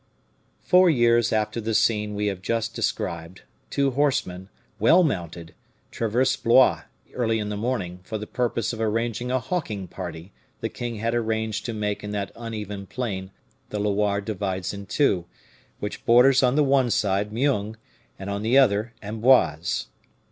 Four years after the scene we have just described, two horsemen, well mounted, traversed Blois early in the morning, for the purpose of arranging a hawking party the king had arranged to make in that uneven plain the Loire divides in two, which borders on the one side Meung, on the other Amboise.